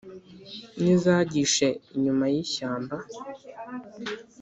n’izagishe inyuma y’ishyamba